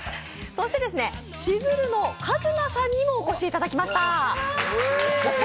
そして、しずるのＫＡＺＭＡさんにもお越しいただきました。